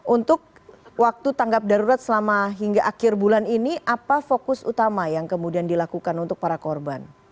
untuk waktu tanggap darurat selama hingga akhir bulan ini apa fokus utama yang kemudian dilakukan untuk para korban